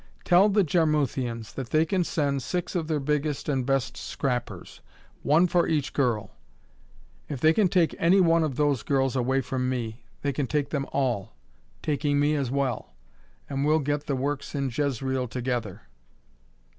Tell the Jarmuthians that they can send six of their biggest and best scrappers, one for each girl. If they can take any one of those girls away from me, they take them all taking me as well and we'll all get the works in Jezreel together.